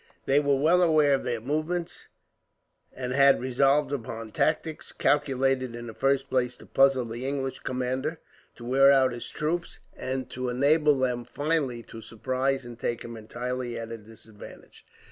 They were well aware of their movements, and had resolved upon tactics, calculated in the first place to puzzle the English commander, to wear out his troops, and to enable them finally to surprise and take him entirely at a disadvantage.